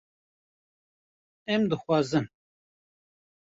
Em dixwazin